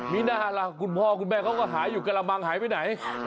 นี่น่าแล้วคุณพ่อคุณแม่เขาก็หายอยู่กะละรำรรับไหลไหน